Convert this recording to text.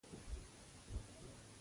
په کڅ کې یې څو ځله میلمه کړی یم.